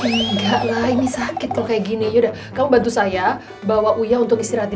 tuh enggaklah ini sakit tuh kayak gini yaudah kamu bantu saya bawa uya untuk istirahat di